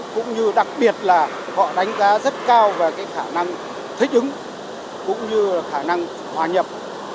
cũng như đặc biệt là họ đánh giá rất cao về khả năng thích ứng khả năng hòa nhập